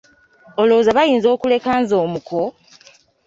Olowooza bayinza okuleka nze omuko?